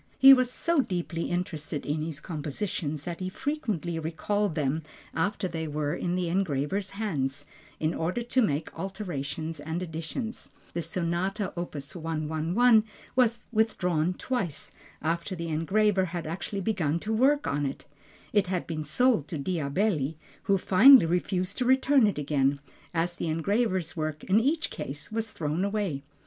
He was so deeply interested in his compositions that he frequently recalled them after they were in the engraver's hands, in order to make alterations and additions. The Sonata, opus 111 was withdrawn twice, after the engraver had actually begun work on it. It had been sold to Diabelli, who finally refused to return it again, as the engraver's work in each case was thrown away.